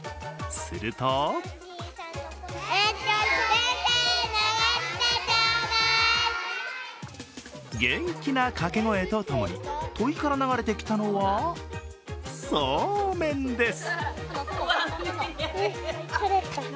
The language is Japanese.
すると元気な掛け声とともにといから流れてきたのはそうめんです！